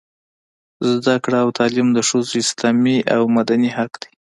زده کړه او تعلیم د ښځو اسلامي او مدني حق دی.